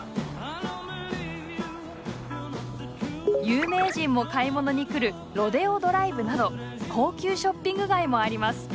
有名人も買い物に来るロデオドライブなど高級ショッピング街もあります。